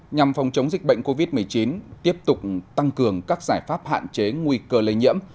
nhằm phòng chống dịch bệnh covid một mươi chín tiếp tục tăng cường các giải pháp hạn chế nguy cơ lây nhiễm